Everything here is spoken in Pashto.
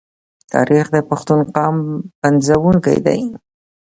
تاریخ د پښتون قام پنځونکی دی.